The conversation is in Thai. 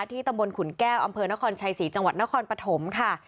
ตำบลขุนแก้วอำเภอนครชัยศรีจังหวัดนครปฐมค่ะ